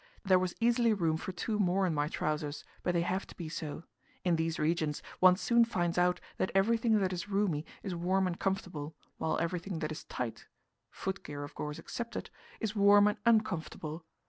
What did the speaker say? There was easily room for two more in my trousers; but they have to be so. In these regions one soon finds out that everything that is roomy is warm and comfortable, while everything that is tight foot gear, of course, excepted is warm and uncomfortable.